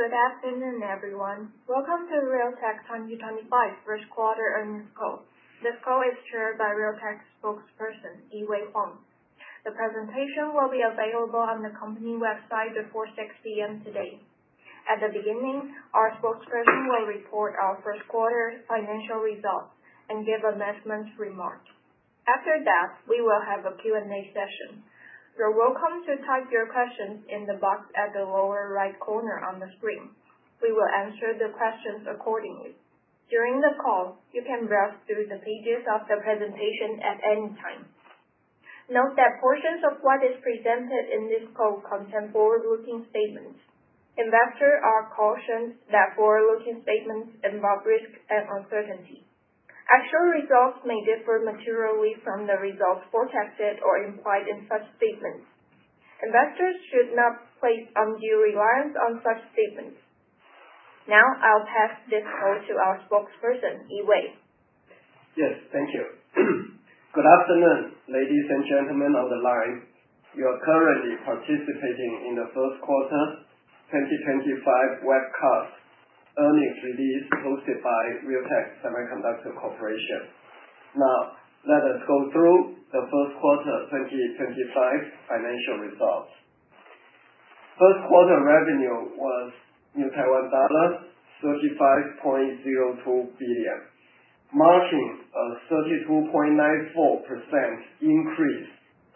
Good afternoon, everyone. Welcome to Realtek 2025 First Quarter Earnings Call. This call is chaired by Realtek Spokesperson, Yee-Wei Huang. The presentation will be available on the company website before 6:00 P.M. today. At the beginning, our Spokesperson will report our first quarter financial results and give a management remark. After that, we will have a Q&A session. You're welcome to type your questions in the box at the lower right corner on the screen. We will answer the questions accordingly. During the call, you can browse through the pages of the presentation at any time. Note that portions of what is presented in this call contain forward-looking statements. Investors are cautioned that forward-looking statements involve risk and uncertainty. Actual results may differ materially from the results forecasted or implied in such statements. Investors should not place undue reliance on such statements. Now, I'll pass this call to our spokesperson, Yee-Wei. Yes, thank you. Good afternoon, ladies and gentlemen on the line. You are currently participating in the First Quarter 2025 webcast earnings release hosted by Realtek Semiconductor Corporation. Now, let us go through the First Quarter 2025 financial results. First Quarter revenue was Taiwan dollars 35.02 billion, marking a 32.94% increase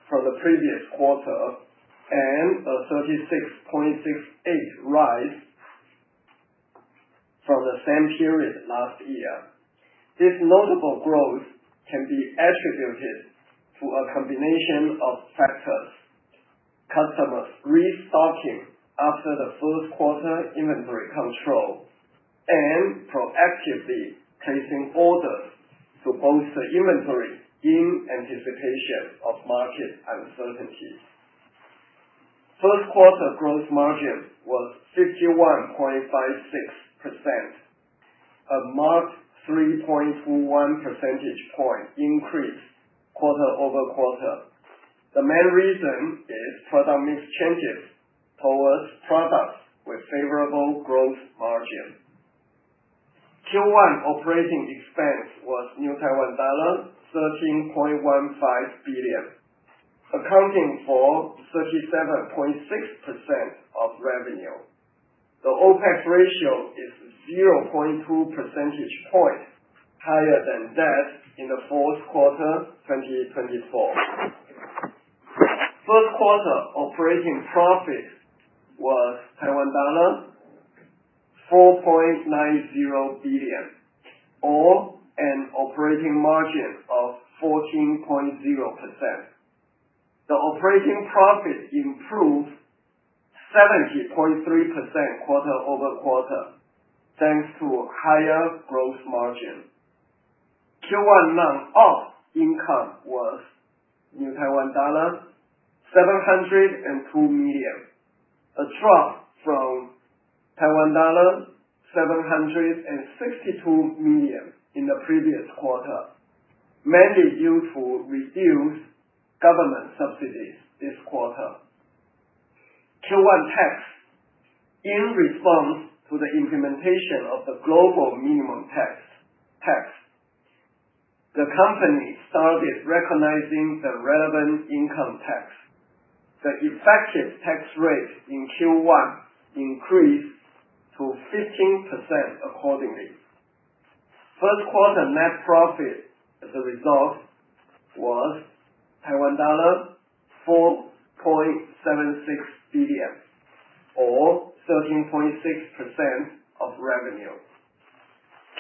from the previous quarter and a 36.68% rise from the same period last year. This notable growth can be attributed to a combination of factors: customers restocking after the first quarter inventory control and proactively placing orders to bolster inventory in anticipation of market uncertainties. First Quarter gross margin was 51.56%, a marked 3.21 percentage point increase quarter over quarter. The main reason is product mix changes towards products with favorable gross margin. Q1 operating expense was TWD 13.15 billion, accounting for 37.6% of revenue. The OPEX ratio is 0.2 percentage points higher than that in the fourth quarter 2024. First quarter operating profit was 4.90 billion, or an operating margin of 14.0%. The operating profit improved 70.3% quarter over quarter thanks to higher gross margin. Q1 non-op income was Taiwan dollar 702 million, a drop from Taiwan dollar 762 million in the previous quarter, mainly due to reduced government subsidies this quarter. Q1 tax, in response to the implementation of the global minimum tax, the company started recognizing the relevant income tax. The effective tax rate in Q1 increased to 15% accordingly. First quarter net profit as a result was TWD 4.76 billion, or 13.6% of revenue.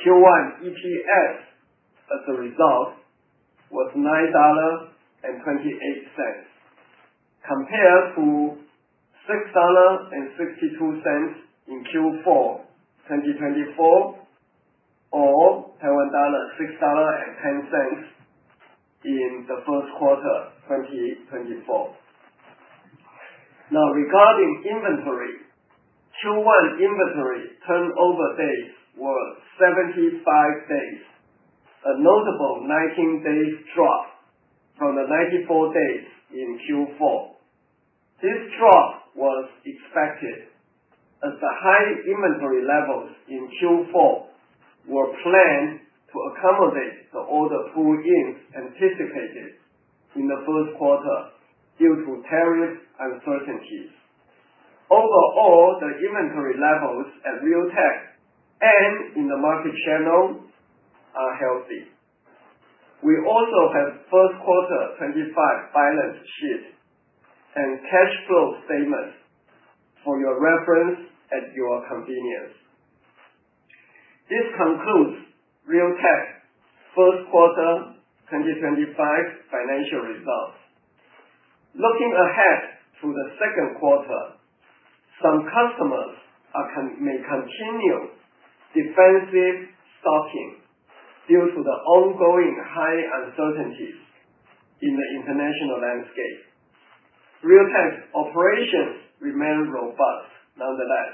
Q1 EPS as a result was $9.28, compared to $6.62 in Q4 2024 or 6.10 dollar in the first quarter 2024. Now, regarding inventory, Q1 inventory turnover days were 75 days, a notable 19 days drop from the 94 days in Q4. This drop was expected as the high inventory levels in Q4 were planned to accommodate the order pull-ins anticipated in the first quarter due to tariff uncertainties. Overall, the inventory levels at Realtek and in the market channel are healthy. We also have First Quarter 2025 balance sheet and cash flow statements for your reference at your convenience. This concludes Realtek's First Quarter 2025 financial results. Looking ahead to the second quarter, some customers may continue defensive stocking due to the ongoing high uncertainties in the international landscape. Realtek's operations remain robust nonetheless.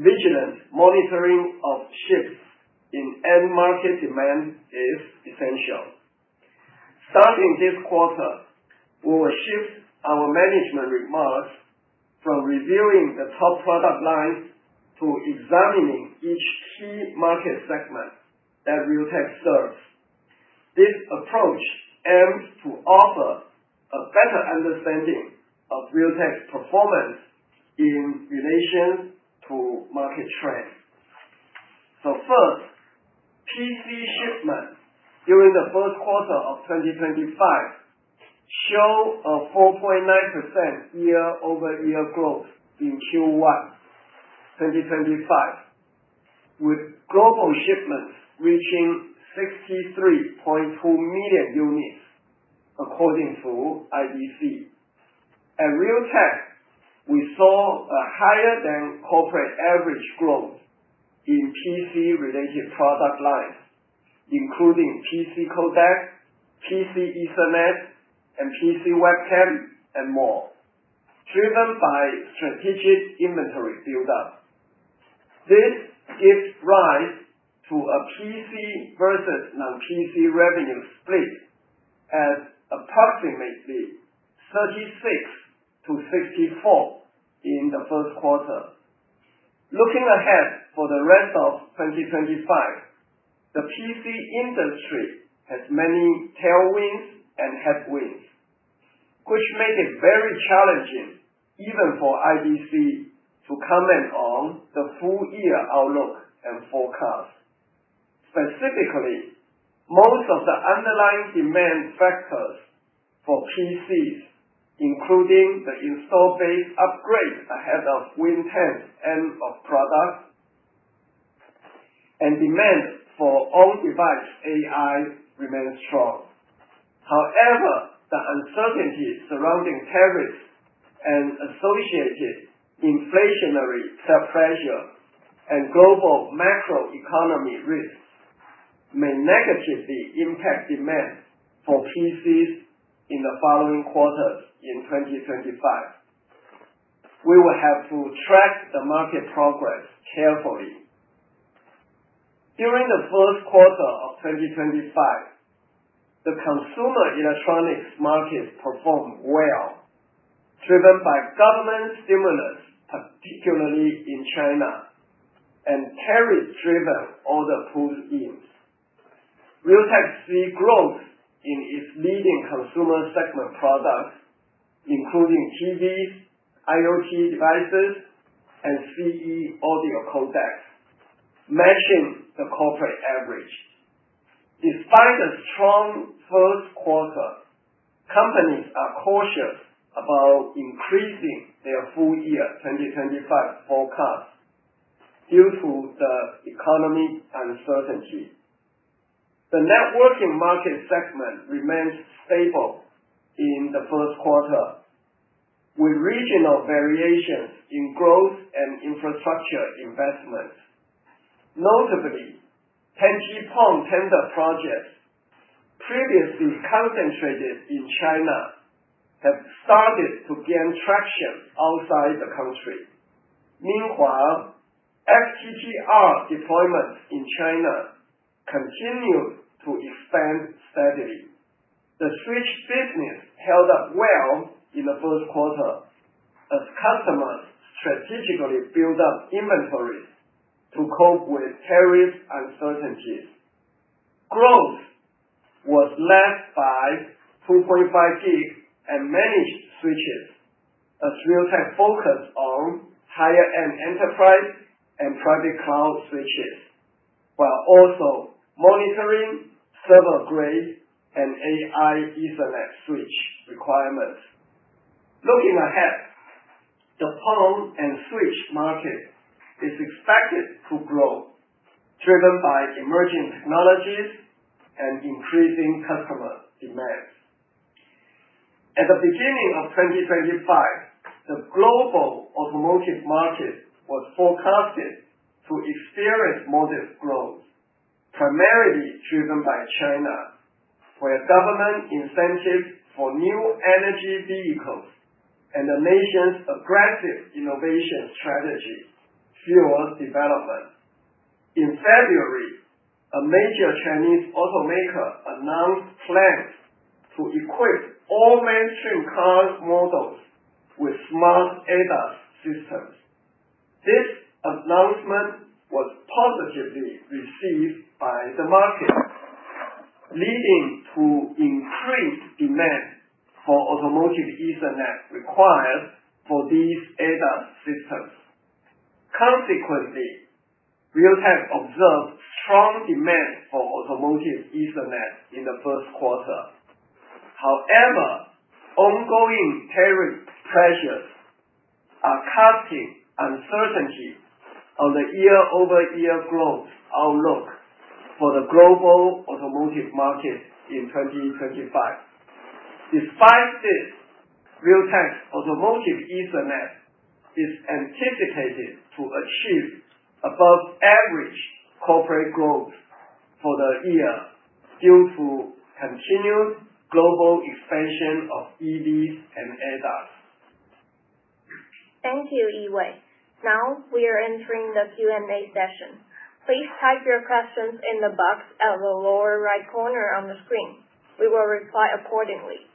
Vigilant monitoring of shifts in end market demand is essential. Starting this quarter, we will shift our management remarks from reviewing the top product lines to examining each key market segment that Realtek serves. This approach aims to offer a better understanding of Realtek's performance in relation to market trends. First, PC shipment during the first quarter of 2025 show a 4.9% year-over-year growth in Q1 2025, with global shipments reaching 63.2 million units according to IDC. At Realtek, we saw a higher-than-corporate average growth in PC-related product lines, including PC codec, PC Ethernet, and PC webcam, and more, driven by strategic inventory buildup. This gives rise to a PC versus non-PC revenue split at approximately 36 to 64 in the first quarter. Looking ahead for the rest of 2025, the PC industry has many tailwinds and headwinds, which make it very challenging even for IDC to comment on the full-year outlook and forecast. Specifically, most of the underlying demand factors for PCs, including the install-based upgrade ahead of Windows 10's end of product and demand for on-device AI, remain strong. However, the uncertainty surrounding tariffs and associated inflationary pressure and global macroeconomic risks may negatively impact demand for PCs in the following quarters in 2025. We will have to track the market progress carefully. During the first quarter of 2025, the consumer electronics market performed well, driven by government stimulus, particularly in China, and tariff-driven order pull-ins. Realtek sees growth in its leading consumer segment products, including TVs, IoT devices, and CE audio codecs, matching the corporate average. Despite a strong first quarter, companies are cautious about increasing their full-year 2025 forecast due to the economic uncertainty. The networking market segment remained stable in the first quarter, with regional variations in growth and infrastructure investments. Notably, 10G-PON tender projects, previously concentrated in China, have started to gain traction outside the country. Meanwhile, FTTR deployments in China continued to expand steadily. The switch business held up well in the first quarter as customers strategically built up inventories to cope with tariff uncertainties. Growth was led by 2.5 Gig Switches and Managed Switches as Realtek focused on higher-end enterprise and private cloud switches, while also monitoring server-grade and AI Ethernet switch requirements. Looking ahead, the PON and switch market is expected to grow, driven by emerging technologies and increasing customer demands. At the beginning of 2025, the global automotive market was forecasted to experience modest growth, primarily driven by China, where government incentives for New Energy Vehicles and the nation's aggressive innovation strategy fueled development. In February, a major Chinese automaker announced plans to equip all mainstream car models with Smart ADAS Systems. This announcement was positively received by the market, leading to increased demand for Automotive Ethernet required for these ADAS systems. Consequently, Realtek observed strong demand for automotive Ethernet in the first quarter. However, ongoing tariff pressures are casting uncertainty on the year-over-year growth outlook for the global automotive market in 2025. Despite this, Realtek's automotive Ethernet is anticipated to achieve above-average corporate growth for the year due to continued global expansion of EVs and ADAS. Thank you, Yee-Wei. Now, we are entering the Q&A session. Please type your questions in the box at the lower right corner on the screen. We will reply accordingly.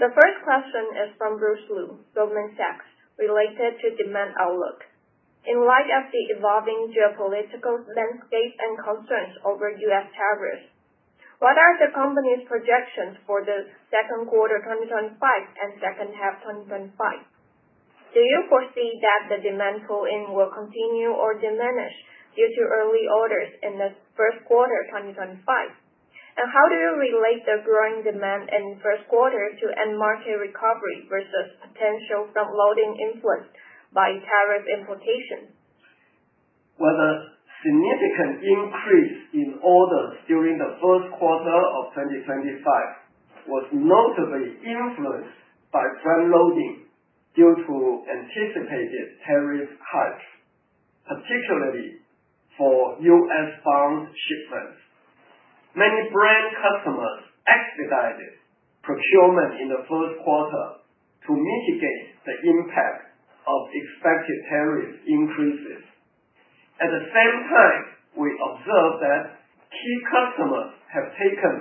The first question is from Bruce Lu, Goldman Sachs, related to demand outlook. In light of the evolving geopolitical landscape and concerns over U.S. tariffs, what are the company's projections for the second quarter 2025 and second half 2025? Do you foresee that the demand pull-in will continue or diminish due to early orders in the first quarter 2025? How do you relate the growing demand in the first quarter to end market recovery versus potential front-loading influence by tariff implications? The significant increase in orders during the first quarter of 2025 was notably influenced by front-loading due to anticipated tariff hikes, particularly for U.S.-bound shipments. Many brand customers expedited procurement in the first quarter to mitigate the impact of expected tariff increases. At the same time, we observed that key customers have taken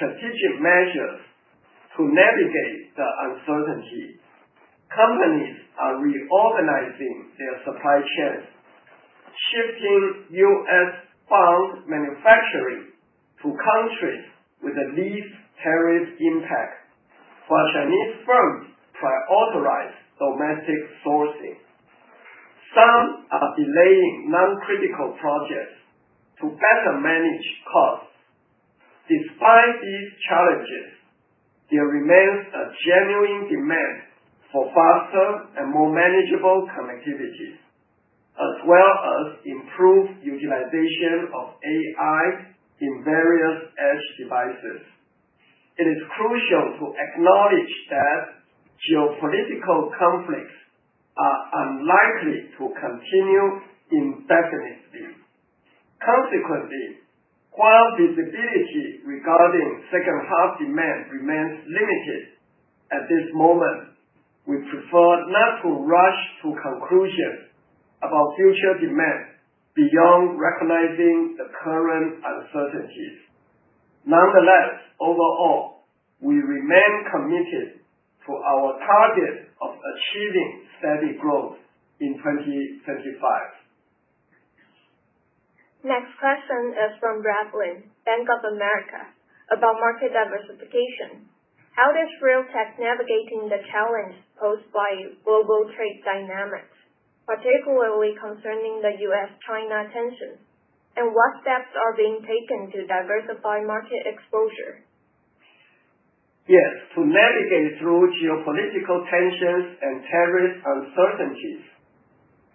strategic measures to navigate the uncertainty. Companies are reorganizing their supply chains, shifting U.S.-bound manufacturing to countries with the least tariff impact, while Chinese firms prioritize domestic sourcing. Some are delaying non-critical projects to better manage costs. Despite these challenges, there remains a genuine demand for faster and more manageable connectivity, as well as improved utilization of AI in various edge devices. It is crucial to acknowledge that geopolitical conflicts are unlikely to continue indefinitely. Consequently, while visibility regarding second-half demand remains limited at this moment, we prefer not to rush to conclusions about future demand beyond recognizing the current uncertainties. Nonetheless, overall, we remain committed to our target of achieving steady growth in 2025. Next question is from Brad Lin, Bank of America, about market diversification. How is Realtek navigating the challenge posed by global trade dynamics, particularly concerning the U.S.-China tensions? What steps are being taken to diversify market exposure? Yes, to navigate through geopolitical tensions and tariff uncertainties,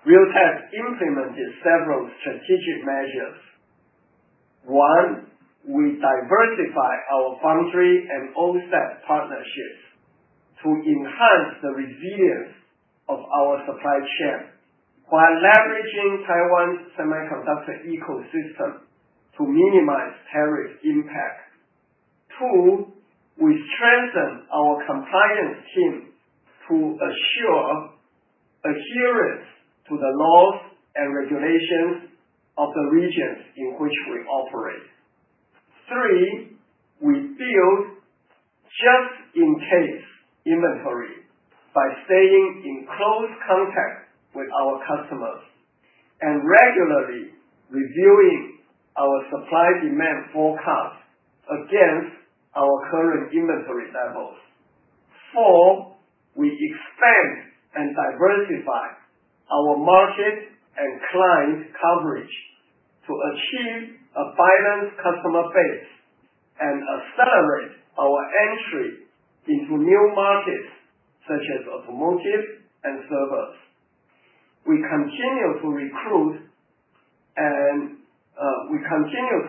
Realtek implemented several strategic measures. One, we diversify our foundry and OSAT partnerships to enhance the resilience of our supply chain while leveraging Taiwan's semiconductor ecosystem to minimize tariff impact. Two, we strengthen our compliance team to assure adherence to the laws and regulations of the regions in which we operate. Three, we build just-in-case inventory by staying in close contact with our customers and regularly reviewing our supply demand forecast against our current inventory levels. Four, we expand and diversify our market and client coverage to achieve a balanced customer base and accelerate our entry into new markets such as automotive and servers. We continue to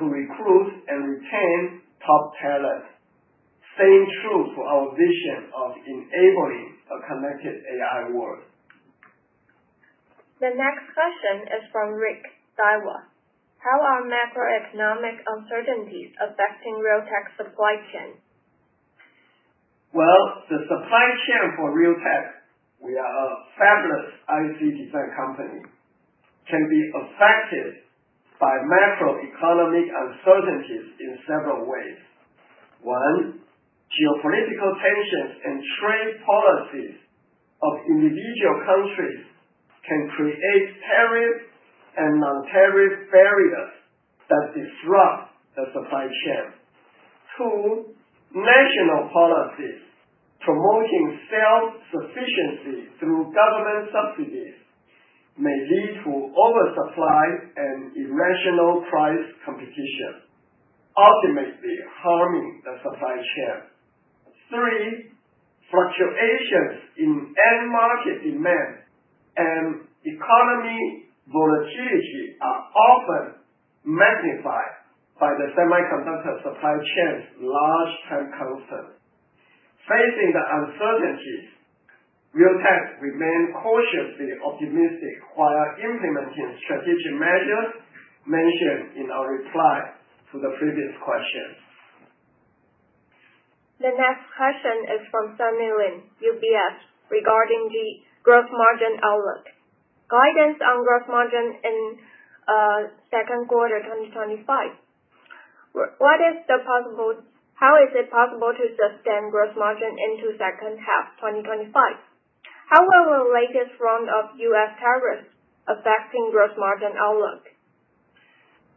recruit and retain top talent, staying true to our vision of enabling a connected AI world. The next question is from Rick Daiwa. How are macroeconomic uncertainties affecting Realtek's supply chain? The supply chain for Realtek, we are a fabless IC design company, can be affected by macroeconomic uncertainties in several ways. One, geopolitical tensions and trade policies of individual countries can create tariff and non-tariff barriers that disrupt the supply chain. Two, national policies promoting self-sufficiency through government subsidies may lead to oversupply and irrational price competition, ultimately harming the supply chain. Three, fluctuations in end market demand and economy volatility are often magnified by the semiconductor supply chain's large-time constant. Facing the uncertainties, Realtek remains cautiously optimistic while implementing strategic measures mentioned in our reply to the previous question. The next question is from Sunny Lin, UBS, regarding the gross margin outlook. Guidance on gross margin in second quarter 2025. How is it possible to sustain gross margin into second half 2025? How will the latest round of U.S. tariffs affect gross margin outlook?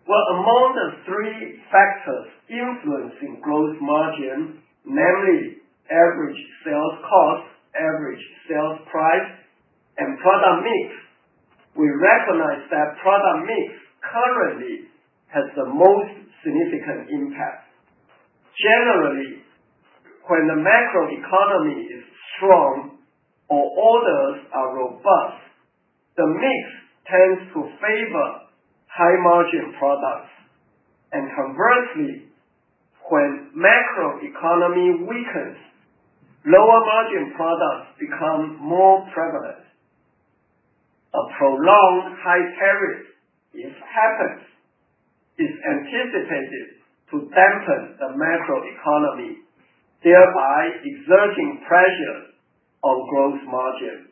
Among the three factors influencing gross margin, namely average sales cost, average sales price, and product mix, we recognize that product mix currently has the most significant impact. Generally, when the macroeconomy is strong or orders are robust, the mix tends to favor high-margin products. Conversely, when macroeconomy weakens, lower-margin products become more prevalent. A prolonged high tariff, if happens, is anticipated to dampen the macroeconomy, thereby exerting pressure on gross margin.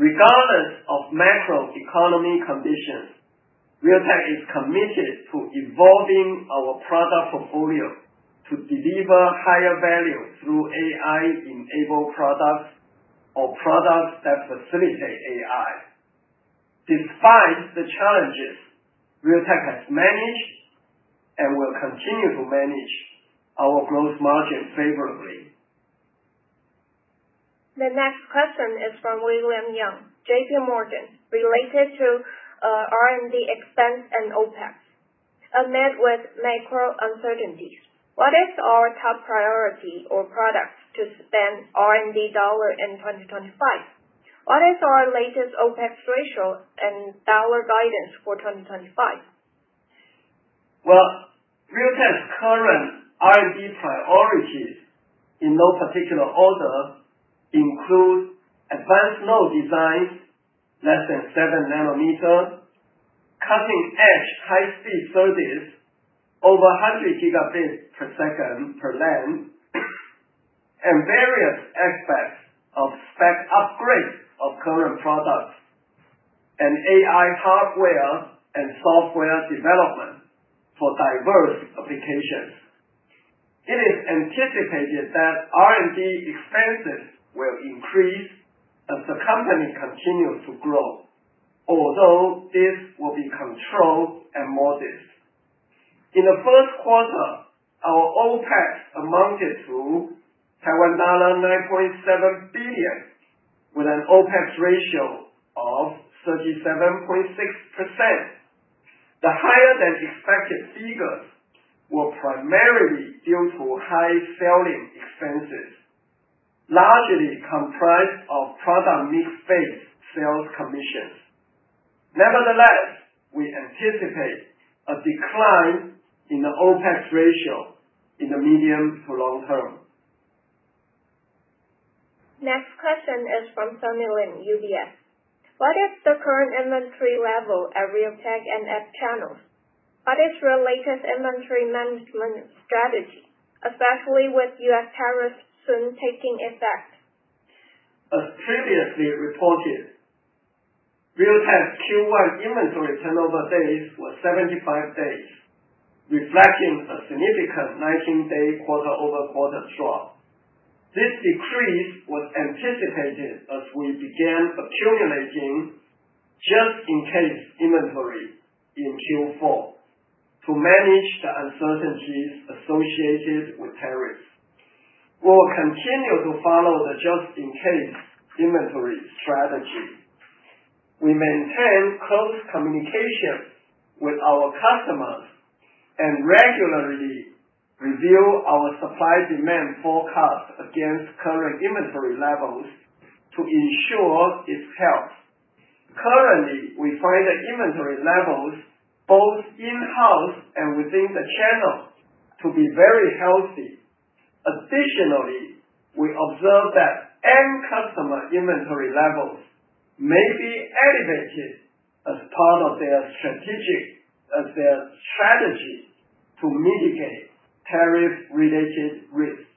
Regardless of macroeconomic conditions, Realtek is committed to evolving our product portfolio to deliver higher value through AI-enabled products or products that facilitate AI. Despite the challenges, Realtek has managed and will continue to manage our gross margin favorably. The next question is from William Yang, JP Morgan, related to R&D expense and OPEX. Amid with macro uncertainties, what is our top priority or product to spend R&D dollar in 2025? What is our latest OPEX ratio and dollar guidance for 2025? Realtek's current R&D priorities, in no particular order, include advanced node designs less than 7 nanometers, cutting-edge high-speed SerDes over 100 gigabits per second per LAN, and various aspects of spec upgrade of current products and AI hardware and software development for diverse applications. It is anticipated that R&D expenses will increase as the company continues to grow, although this will be controlled and modest. In the first quarter, our OPEX amounted to Taiwan dollar 9.7 billion, with an OPEX ratio of 37.6%. The higher-than-expected figures were primarily due to high selling expenses, largely comprised of product mix-based sales commissions. Nevertheless, we anticipate a decline in the OPEX ratio in the medium to long term. Next question is from Sunny Lin, UBS. What is the current inventory level at Realtek and app channels? What is your latest inventory management strategy, especially with U.S. tariffs soon taking effect? As previously reported, Realtek's Q1 inventory turnover days were 75 days, reflecting a significant 19-day quarter-over-quarter drop. This decrease was anticipated as we began accumulating just-in-case inventory in Q4 to manage the uncertainties associated with tariffs. We will continue to follow the just-in-case inventory strategy. We maintain close communication with our customers and regularly review our supply demand forecast against current inventory levels to ensure its health. Currently, we find the inventory levels, both in-house and within the channel, to be very healthy. Additionally, we observe that end customer inventory levels may be elevated as part of their strategy to mitigate tariff-related risks.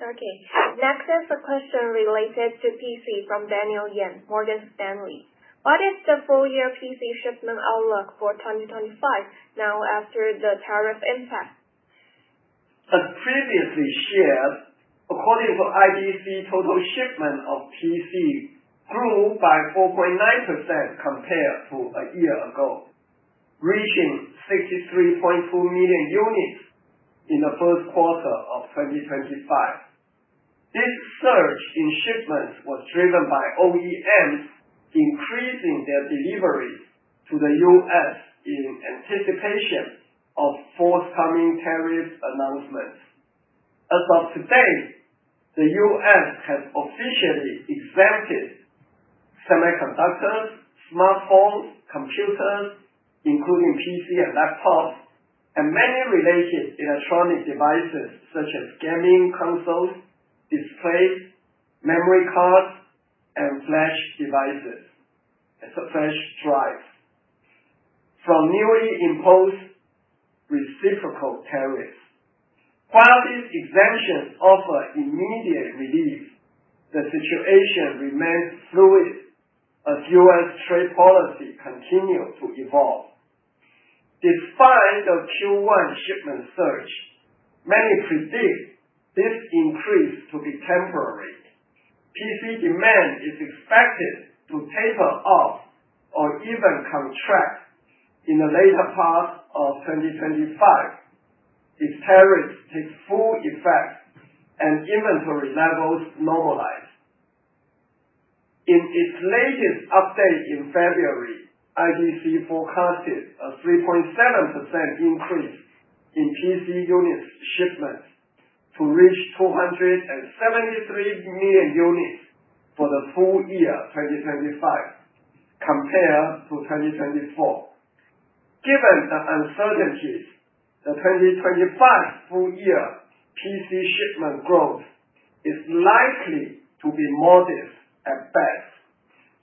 Okay. Next is a question related to PC from Daniel Yen, Morgan Stanley. What is the full-year PC shipment outlook for 2025 now after the tariff impact? As previously shared, according to IDC, total shipment of PC grew by 4.9% compared to a year ago, reaching 63.2 million units in the first quarter of 2025. This surge in shipments was driven by OEMs increasing their deliveries to the U.S. in anticipation of forthcoming tariff announcements. As of today, the U.S. has officially exempted semiconductors, smartphones, computers, including PC and laptops, and many related electronic devices such as gaming consoles, displays, memory cards, and flash devices/drives from newly imposed reciprocal tariffs. While these exemptions offer immediate relief, the situation remains fluid as U.S. trade policy continues to evolve. Despite the Q1 shipment surge, many predict this increase to be temporary. PC demand is expected to taper off or even contract in the later part of 2025 if tariffs take full effect and inventory levels normalize. In its latest update in February, IDC forecasted a 3.7% increase in PC units shipments to reach 273 million units for the full year 2025 compared to 2024. Given the uncertainties, the 2025 full-year PC shipment growth is likely to be modest at best,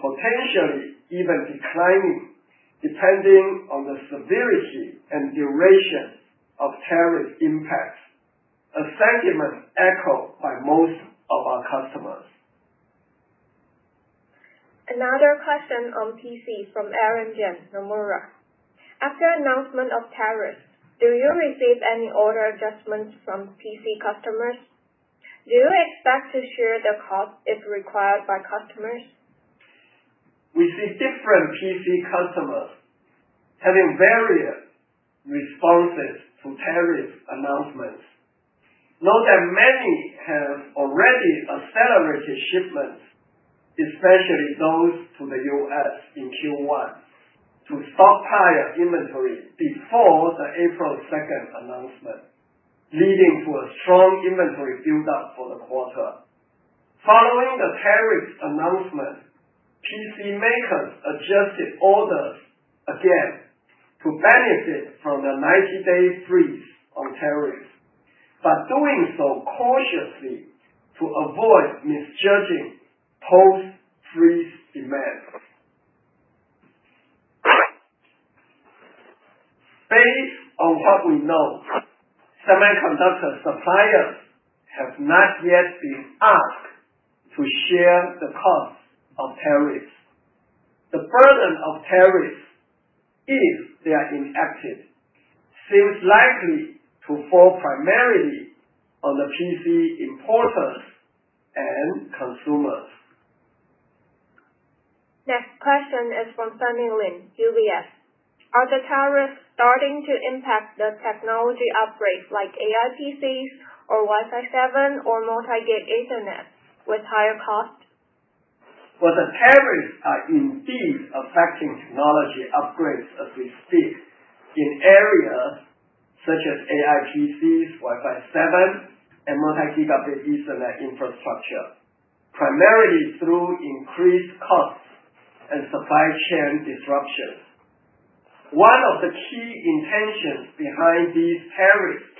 potentially even declining depending on the severity and duration of tariff impacts, a sentiment echoed by most of our customers. Another question on PC from Aaron Jeng, Nomura. After announcement of tariffs, do you receive any order adjustments from PC customers? Do you expect to share the cost if required by customers? We see different PC customers having various responses to tariff announcements. Note that many have already accelerated shipments, especially those to the U.S. in Q1, to stockpile inventory before the April 2nd announcement, leading to a strong inventory buildup for the quarter. Following the tariff announcement, PC makers adjusted orders again to benefit from the 90-day freeze on tariffs, but doing so cautiously to avoid misjudging post-freeze demands. Based on what we know, semiconductor suppliers have not yet been asked to share the cost of tariffs. The burden of tariffs, if they are enacted, seems likely to fall primarily on the PC importers and consumers. Next question is from Sunny Lin, UBS. Are the tariffs starting to impact the technology upgrades, like AI PCs or Wi-Fi 7 or multi-gig internet with higher cost? The tariffs are indeed affecting technology upgrades as we speak in areas such as AI PCs, Wi-Fi 7, and multi-gigabit internet infrastructure, primarily through increased costs and supply chain disruptions. One of the key intentions behind these tariffs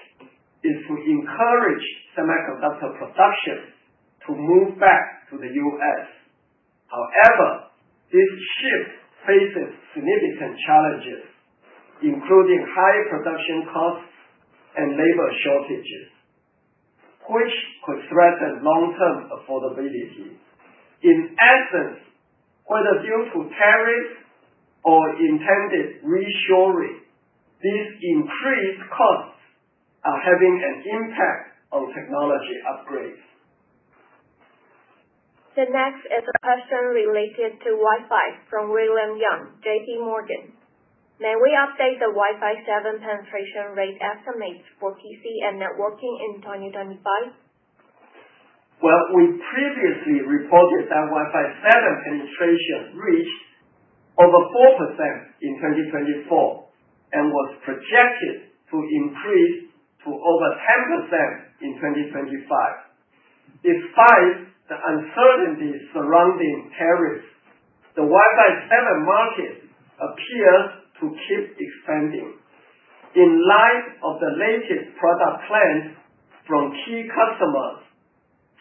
is to encourage semiconductor production to move back to the U.S. However, this shift faces significant challenges, including high production costs and labor shortages, which could threaten long-term affordability. In essence, whether due to tariffs or intended reshoring, these increased costs are having an impact on technology upgrades. The next is a question related to Wi-Fi from William Yang, JP Morgan. May we update the Wi-Fi 7 penetration rate estimates for PC and networking in 2025? Previously, we reported that Wi-Fi 7 penetration reached over 4% in 2024 and was projected to increase to over 10% in 2025. Despite the uncertainty surrounding tariffs, the Wi-Fi 7 market appears to keep expanding. In light of the latest product plans from key customers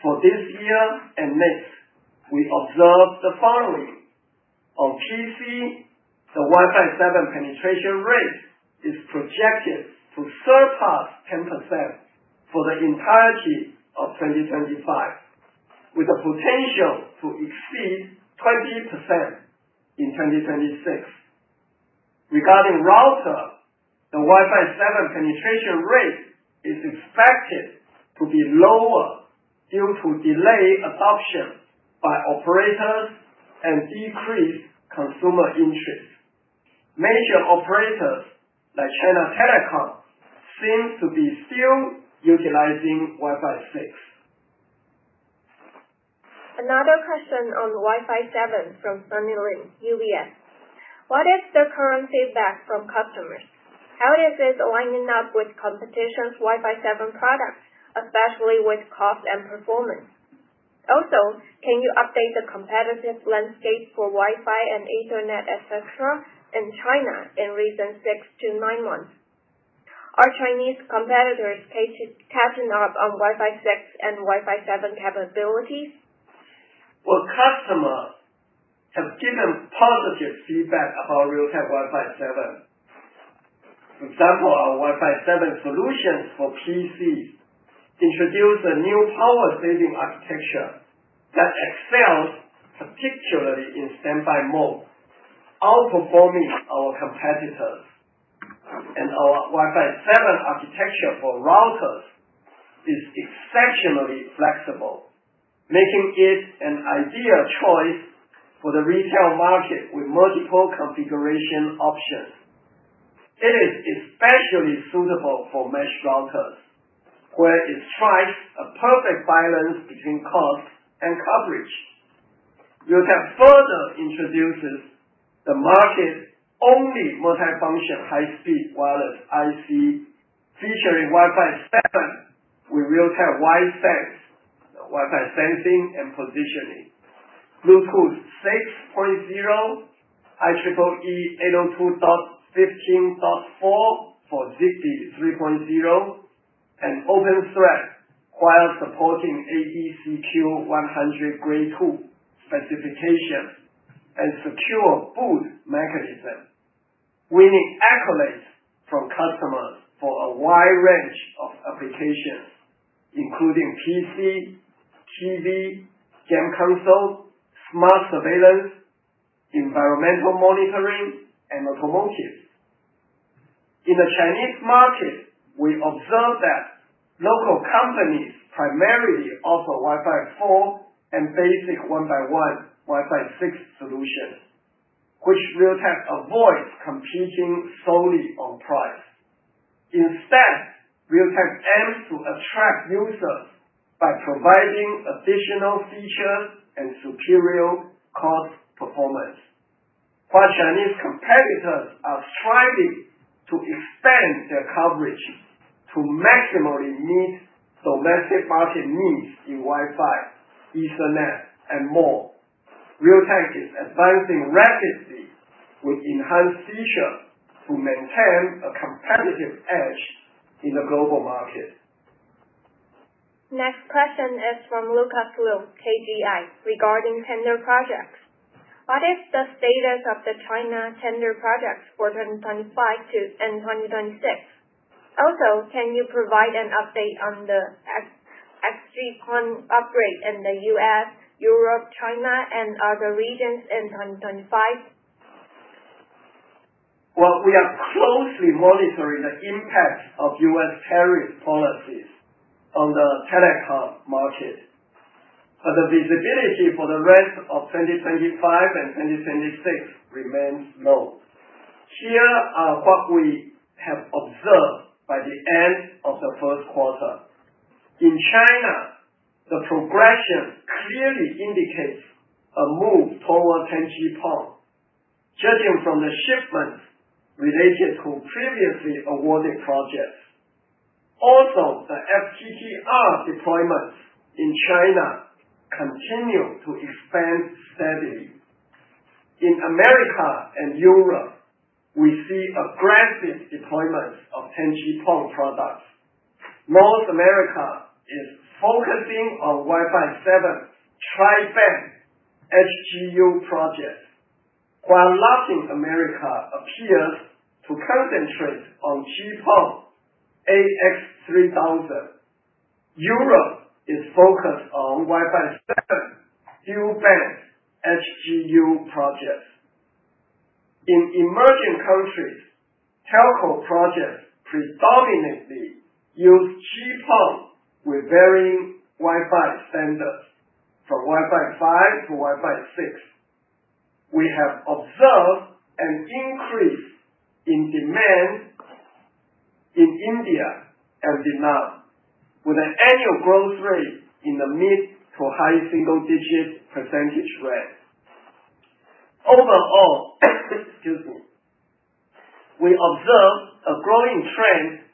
for this year and next, we observe the following. On PC, the Wi-Fi 7 penetration rate is projected to surpass 10% for the entirety of 2025, with the potential to exceed 20% in 2026. Regarding router, the Wi-Fi 7 penetration rate is expected to be lower due to delayed adoption by operators and decreased consumer interest. Major operators like China Telecom seem to be still utilizing Wi-Fi 6. Another question on Wi-Fi 7 from Sunny Lin, UBS. What is the current feedback from customers? How is this lining up with competition's Wi-Fi 7 products, especially with cost and performance? Also, can you update the competitive landscape for Wi-Fi and Ethernet, etc., in China in recent 6 to 9 months? Are Chinese competitors catching up on Wi-Fi 6 and Wi-Fi 7 capabilities? Customers have given positive feedback about Realtek Wi-Fi 7. For example, our Wi-Fi 7 solutions for PCs introduce a new power-saving architecture that excels particularly in standby mode, outperforming our competitors. Our Wi-Fi 7 architecture for routers is exceptionally flexible, making it an ideal choice for the retail market with multiple configuration options. It is especially suitable for mesh routers, where it strikes a perfect balance between cost and coverage. Realtek further introduces the market's only multifunction high-speed wireless IC featuring Wi-Fi 7 with Realtek Wi-Sense, Wi-Fi sensing and positioning, Bluetooth 6.0, IEEE 802.15.4 for Zigbee 3.0, and OpenThread while supporting AEC-Q100 Grade 2 specifications and secure boot mechanism. We need accolades from customers for a wide range of applications, including PC, TV, game console, smart surveillance, environmental monitoring, and automotive. In the Chinese market, we observe that local companies primarily offer Wi-Fi 4 and basic one-by-one Wi-Fi 6 solutions, which Realtek avoids competing solely on price. Instead, Realtek aims to attract users by providing additional features and superior cost performance, while Chinese competitors are striving to expand their coverage to maximally meet domestic market needs in Wi-Fi, Ethernet, and more. Realtek is advancing rapidly with enhanced features to maintain a competitive edge in the global market. Next question is from Lucas Lu, KGI, regarding tender projects. What is the status of the China tender projects for 2025 to 2026? Also, can you provide an update on the XG-PON upgrade in the U.S., Europe, China, and other regions in 2025? We are closely monitoring the impact of U.S. tariff policies on the telecom market, but the visibility for the rest of 2025 and 2026 remains low. Here are what we have observed by the end of the first quarter. In China, the progression clearly indicates a move toward 10G-PON, judging from the shipments related to previously awarded projects. Also, the FTTR deployments in China continue to expand steadily. In America and Europe, we see aggressive deployments of 10G-PON products. North America is focusing on Wi-Fi 7 Tri-Band HGU projects, while Latin America appears to concentrate on GPON AX3000. Europe is focused on Wi-Fi 7 Dual-Band HGU projects. In emerging countries, telco projects predominantly use GPON with varying Wi-Fi standards from Wi-Fi 5 to Wi-Fi 6. We have observed an increase in demand in India and Vietnam, with an annual growth rate in the mid to high single-digit % range. Overall, excuse me, we observe a growing trend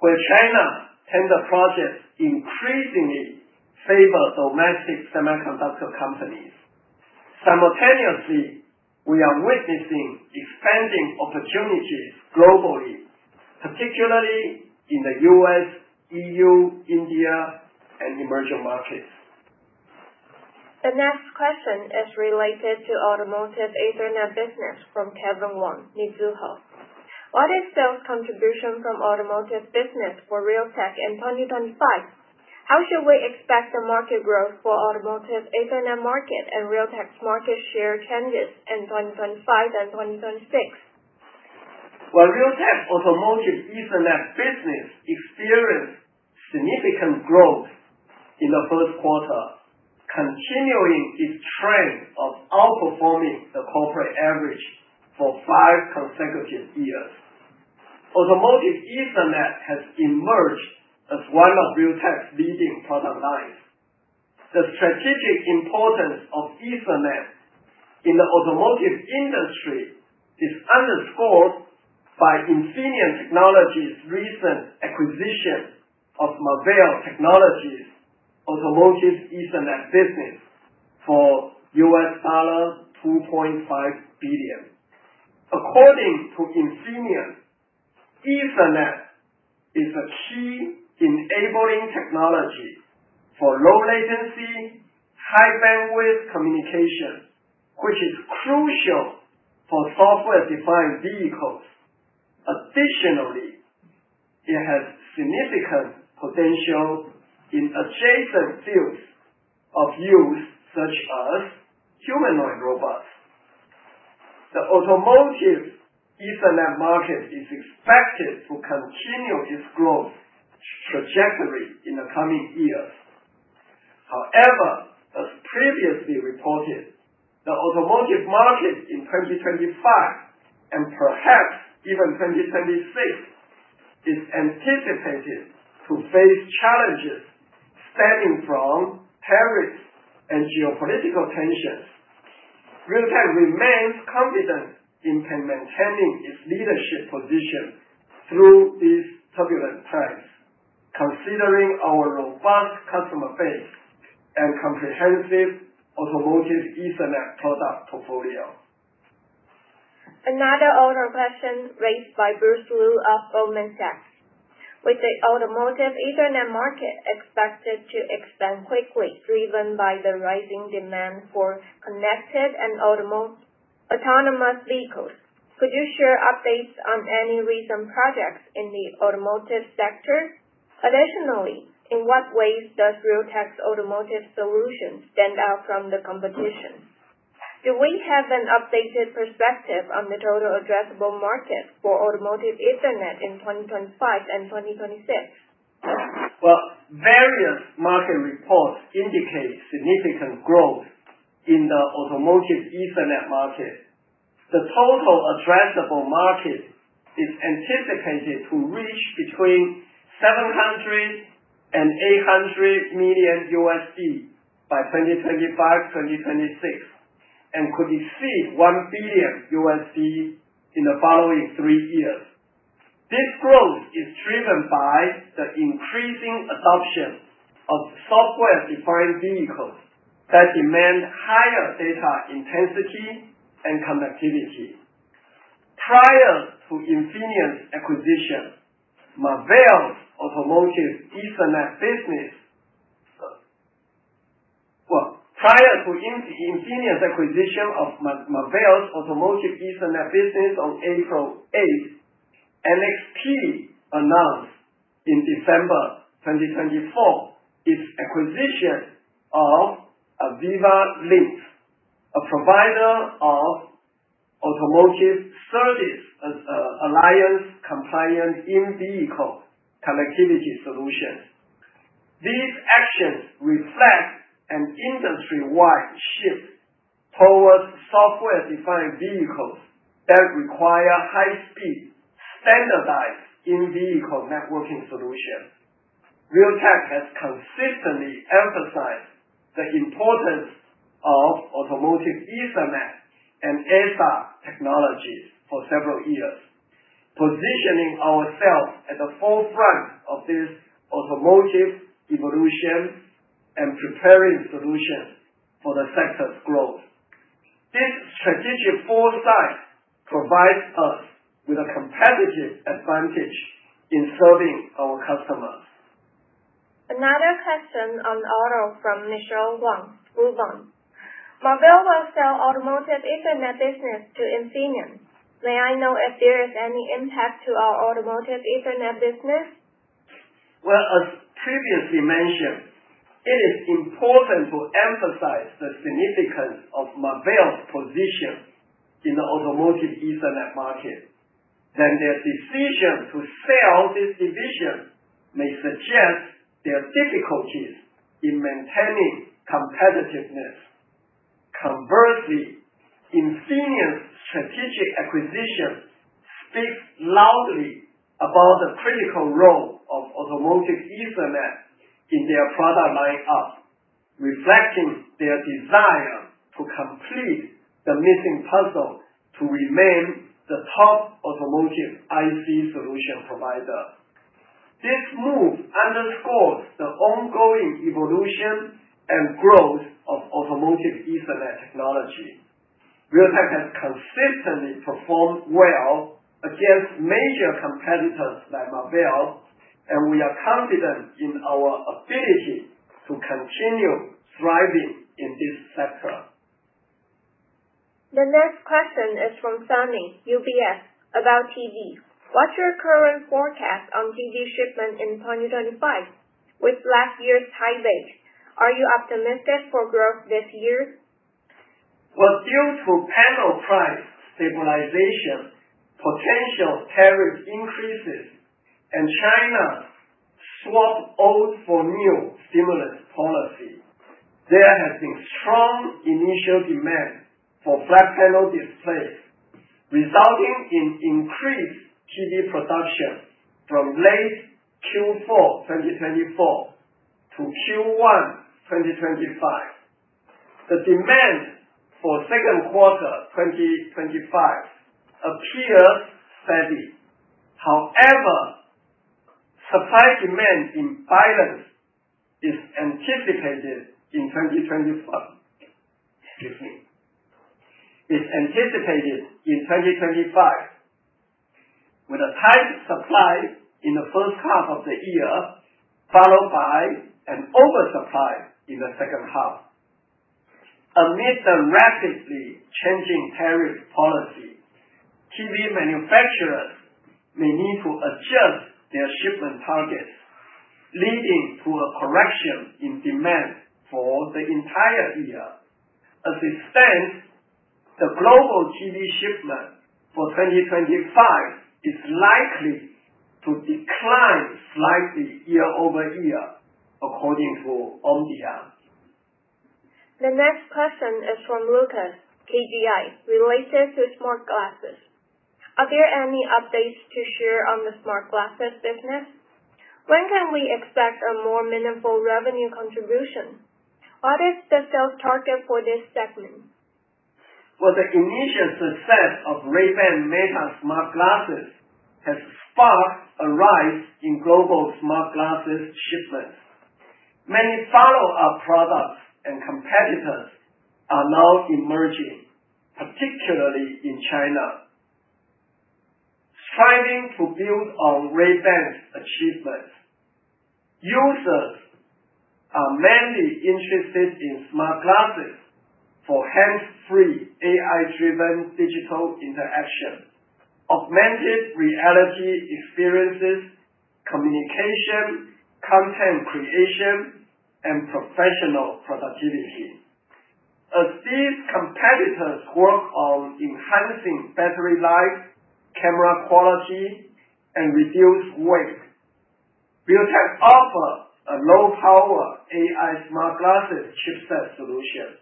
where China tender projects increasingly favor domestic semiconductor companies. Simultaneously, we are witnessing expanding opportunities globally, particularly in the U.S., EU, India, and emerging markets. The next question is related to automotive Ethernet business from Kevin Wang, Mizuho. What is sales contribution from automotive business for Realtek in 2025? How should we expect the market growth for automotive Ethernet market and Realtek's market share changes in 2025 and 2026? Realtek's automotive Ethernet business experienced significant growth in the first quarter, continuing its trend of outperforming the corporate average for five consecutive years. Automotive Ethernet has emerged as one of Realtek's leading product lines. The strategic importance of Ethernet in the automotive industry is underscored by Infineon Technologies' recent acquisition of Marvell Technologies' automotive Ethernet business for $2.5 billion. According to Infineon, Ethernet is a key enabling technology for low-latency, high-bandwidth communication, which is crucial for software-defined vehicles. Additionally, it has significant potential in adjacent fields of use such as humanoid robots. The automotive Ethernet market is expected to continue its growth trajectory in the coming years. However, as previously reported, the automotive market in 2025 and perhaps even 2026 is anticipated to face challenges stemming from tariffs and geopolitical tensions. Realtek remains confident in maintaining its leadership position through these turbulent times, considering our robust customer base and comprehensive automotive Ethernet product portfolio. Another auto question raised by Bruce Liu of Goldman Sachs. With the automotive Ethernet market expected to expand quickly, driven by the rising demand for connected and autonomous vehicles, could you share updates on any recent projects in the automotive sector? Additionally, in what ways does Realtek's automotive solution stand out from the competition? Do we have an updated perspective on the total addressable market for automotive Ethernet in 2025 and 2026? Various market reports indicate significant growth in the automotive Ethernet market. The total addressable market is anticipated to reach between $700 million and $800 million by 2025-2026 and could exceed $1 billion in the following three years. This growth is driven by the increasing adoption of software-defined vehicles that demand higher data intensity and connectivity. Prior to Infineon's acquisition, Marvell's automotive Ethernet business, prior to Infineon's acquisition of Marvell's automotive Ethernet business on April 8, NXP announced in December 2024 its acquisition of Aviva Links, a provider of automotive service alliance compliant in-vehicle connectivity solutions. These actions reflect an industry-wide shift towards software-defined vehicles that require high-speed standardized in-vehicle networking solutions. Realtek has consistently emphasized the importance of automotive Ethernet and ASA technologies for several years, positioning ourselves at the forefront of this automotive evolution and preparing solutions for the sector's growth. This strategic foresight provides us with a competitive advantage in serving our customers. Another question on auto from Michelle Wong. Marvell will sell automotive Ethernet business to Infineon. May I know if there is any impact to our automotive Ethernet business? As previously mentioned, it is important to emphasize the significance of Marvell's position in the automotive Ethernet market. Their decision to sell this division may suggest their difficulties in maintaining competitiveness. Conversely, Infineon's strategic acquisition speaks loudly about the critical role of automotive Ethernet in their product lineup, reflecting their desire to complete the missing puzzle to remain the top automotive IC solution provider. This move underscores the ongoing evolution and growth of automotive Ethernet technology. Realtek has consistently performed well against major competitors like Marvell, and we are confident in our ability to continue thriving in this sector. The next question is from Sunny, UBS, about TV. What's your current forecast on TV shipment in 2025? With last year's high base, are you optimistic for growth this year? Due to panel price stabilization, potential tariff increases, and China's swap old for new stimulus policy, there has been strong initial demand for flat panel displays, resulting in increased TV production from late Q4 2024 to Q1 2025. The demand for second quarter 2025 appears steady. However, supply-demand imbalance is anticipated in 2025. Excuse me. Is anticipated in 2025 with a tight supply in the first half of the year, followed by an oversupply in the second half. Amid the rapidly changing tariff policy, TV manufacturers may need to adjust their shipment targets, leading to a correction in demand for the entire year. As it stands, the global TV shipment for 2025 is likely to decline slightly year over year, according to Omdia. The next question is from Lucas Lu, KGI Securities, related to smart glasses. Are there any updates to share on the smart glasses business? When can we expect a more meaningful revenue contribution? What is the sales target for this segment? The initial success of Ray-Ban Meta smart glasses has sparked a rise in global smart glasses shipments. Many follow-up products and competitors are now emerging, particularly in China, striving to build on Ray-Ban's achievements. Users are mainly interested in smart glasses for hands-free, AI-driven digital interaction, augmented reality experiences, communication, content creation, and professional productivity. As these competitors work on enhancing battery life, camera quality, and reduce weight, Realtek offers a low-power AI smart glasses chipset solution.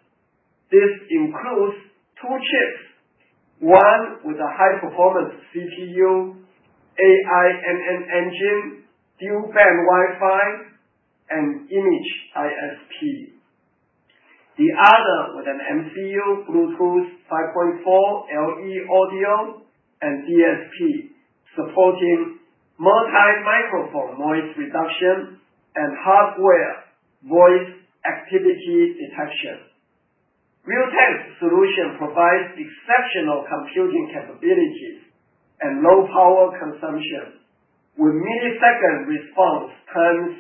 This includes two chips, one with a high-performance CPU, AI NPU engine, Dual-Band Wi-Fi, and Image ISP. The other with an MCU, Bluetooth 5.4, LE audio, and DSP, supporting multi-microphone noise reduction and hardware voice activity detection. Realtek's solution provides exceptional computing capabilities and low power consumption, with millisecond response times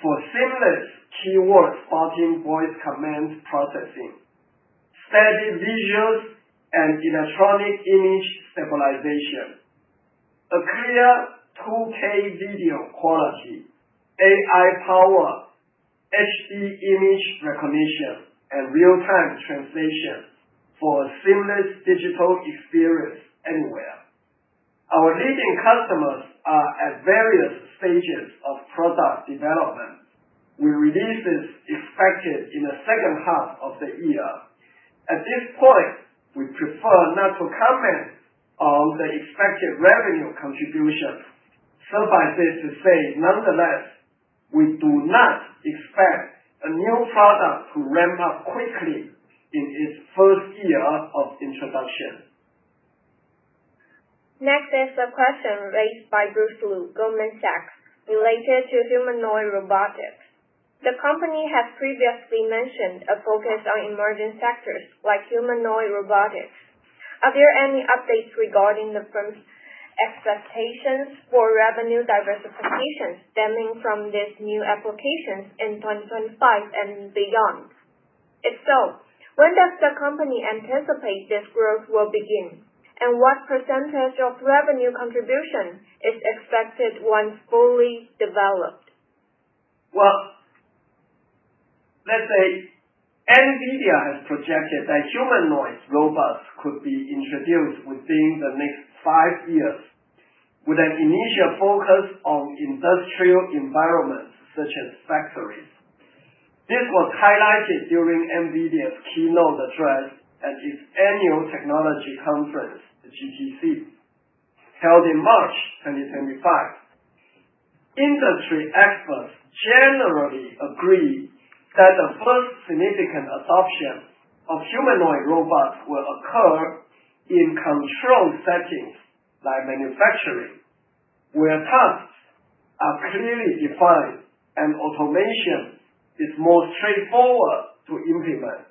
for seamless keyword spotting, voice command processing, steady visuals, and electronic image stabilization. A clear 2K video quality, AI-powered HD image recognition, and real-time translation for a seamless digital experience anywhere. Our leading customers are at various stages of product development. We release this expected in the second half of the year. At this point, we prefer not to comment on the expected revenue contribution. Suffice it to say, nonetheless, we do not expect a new product to ramp up quickly in its first year of introduction. Next is a question raised by Bruce Liu, Goldman Sachs, related to humanoid robotics. The company has previously mentioned a focus on emerging sectors like humanoid robotics. Are there any updates regarding the firm's expectations for revenue diversification stemming from these new applications in 2025 and beyond? If so, when does the company anticipate this growth will begin? What percentage of revenue contribution is expected once fully developed? NVIDIA has projected that humanoid robots could be introduced within the next five years with an initial focus on industrial environments such as factories. This was highlighted during NVIDIA's keynote address at its annual technology conference, the GTC, held in March 2025. Industry experts generally agree that the first significant adoption of humanoid robots will occur in controlled settings like manufacturing, where tasks are clearly defined and automation is more straightforward to implement.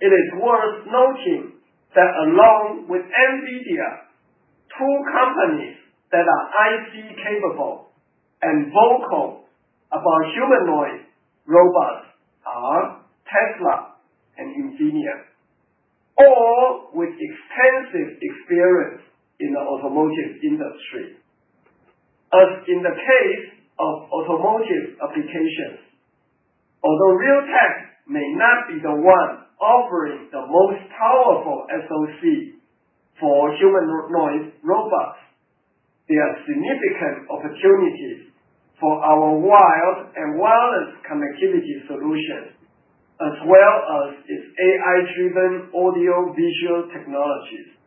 It is worth noting that along with NVIDIA, two companies that are IC-capable and vocal about humanoid robots are Tesla and Infineon, all with extensive experience in the automotive industry. As in the case of automotive applications, although Realtek may not be the one offering the most powerful SoC for humanoid robots, there are significant opportunities for our wired and wireless connectivity solutions, as well as its AI-driven audio-visual technologies.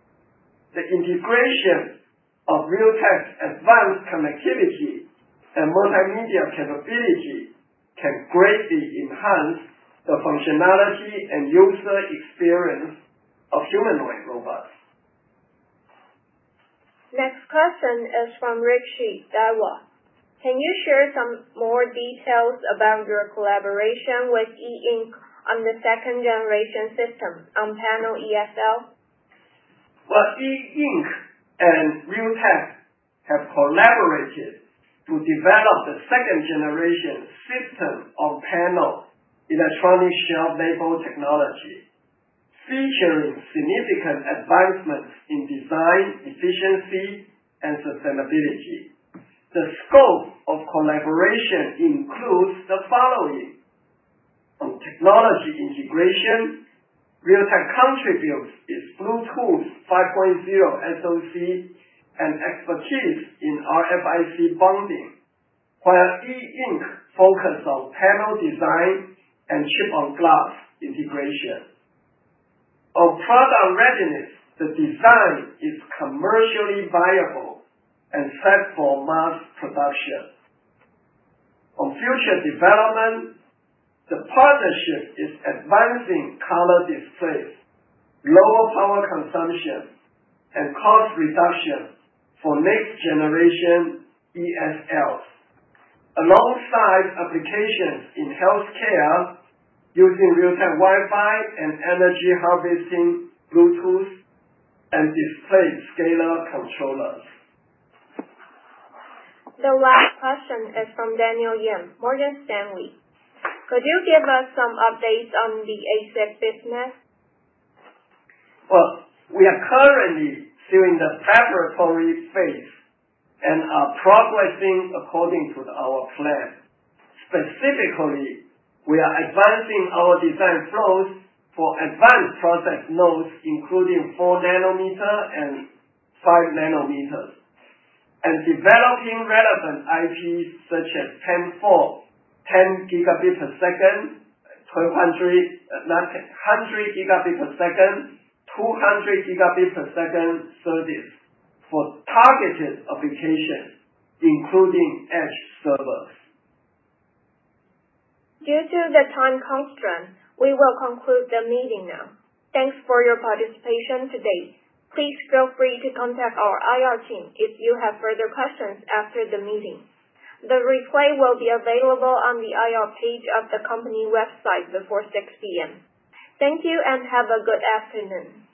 The integration of Realtek's advanced connectivity and multimedia capability can greatly enhance the functionality and user experience of humanoid robots. Next question is from Rixi Daewa. Can you share some more details about your collaboration with E Ink on the second-generation system on panel ESL? E Ink and Realtek have collaborated to develop the second-generation system on panel electronic shelf label technology, featuring significant advancements in design, efficiency, and sustainability. The scope of collaboration includes the following: on technology integration, Realtek contributes its Bluetooth 5.0 SoC and expertise in RFIC bonding, while E Ink focuses on panel design and chip-on-glass integration. On product readiness, the design is commercially viable and set for mass production. On future development, the partnership is advancing color displays, lower power consumption, and cost reduction for next-generation ESLs, alongside applications in healthcare using Realtek Wi-Fi and energy harvesting Bluetooth and display scaler controllers. The last question is from Daniel Yim. Morgan Stanley, could you give us some updates on the ASIC business? We are currently still in the preparatory phase and are progressing according to our plan. Specifically, we are advancing our design flows for advanced process nodes, including 4 nanometer and 5 nanometers, and developing relevant IPs such as 10.4, 10 gigabit per second, 100 gigabit per second, 200 gigabit per second service for targeted applications, including edge servers. Due to the time constraint, we will conclude the meeting now. Thanks for your participation today. Please feel free to contact our IR team if you have further questions after the meeting. The replay will be available on the IR page of the company website before 6:00 P.M. Thank you and have a good afternoon.